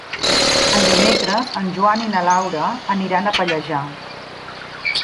Dimecres en Joan i na Laura aniran a Pallejà.